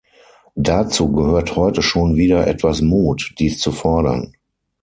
Dazu gehört heute schon wieder etwas Mut, dies zu fordern.